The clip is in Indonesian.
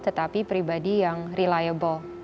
tetapi pribadi yang reliable